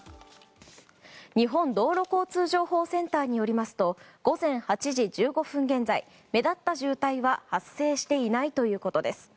日本道路交通情報センターによりますと午前８時１５分現在目立った渋滞は発生していないということです。